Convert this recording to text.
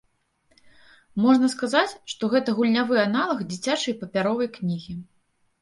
Можна сказаць, што гэта гульнявы аналаг дзіцячай папяровай кнігі.